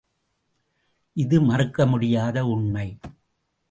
இது மறுக்கமுடியாத உண்மை.